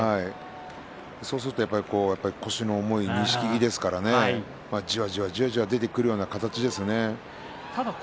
そうすると腰の重い錦木ですからじわじわ出てくるような形ですね。